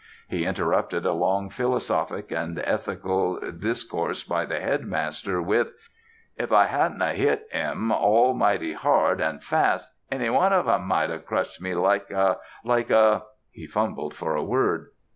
He interrupted a long philosophic and ethical discourse by the Headmaster with, "If I hadn't of hit 'em all mighty hard and fast any one of 'em might have crushed me like a, like a " He fumbled for a word.